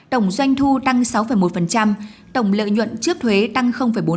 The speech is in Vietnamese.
tổng doanh thu tăng sáu một tổng lợi nhuận trước thuế tăng bốn